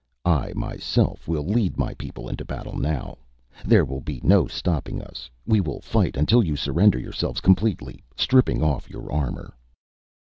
"I myself will lead my people into battle now. There will be no stopping us. We will fight until you surrender yourselves completely, stripping off your armor."